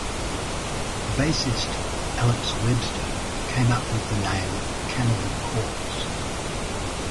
Bassist Alex Webster came up with the name Cannibal Corpse.